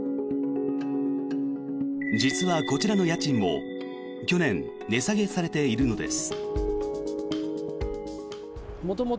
実はこちらの家賃も去年、値下げされているのです。